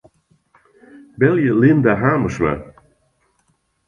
Belje Linda Hamersma.